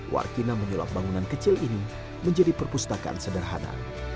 warkina menyulap bangunan kecil ini menjadi perpustakaan sederhana